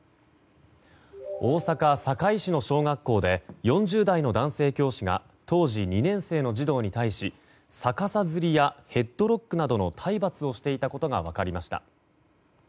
大阪・堺市の小学校で４０代の男性教師が当時２年生の児童に対し逆さづりやヘッドロックなどの体罰をしていたことが分かりました。